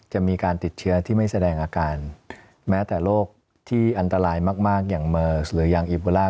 จะมีการติดเชื้อที่ไม่แสดงอาการแม้แต่โรคที่อันตรายมากอย่างเมิร์สหรือยังอิโบล่า